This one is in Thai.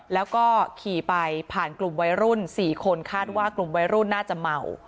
แล้วก็ขี่ไปผ่านกลุ่มวัยรุ่น๔คนคาดว่ากลุ่มวัยรุ่นน่าจะเมา